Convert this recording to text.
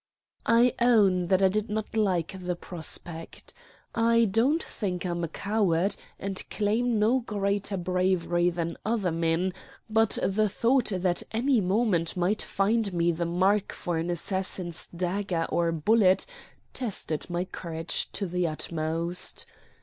I own that I did not like the prospect. I don't think I'm a coward, and claim no greater bravery than other men; but the thought that any moment might find me the mark for an assassin's dagger or bullet tested my courage to the utmost.